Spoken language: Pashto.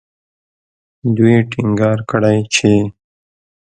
دوی ټینګار کړی چې